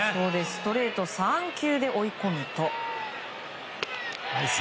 ストレート３球で追い込むと。